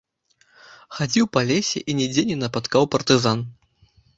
Хадзіў па лесе і нідзе не напаткаў партызан.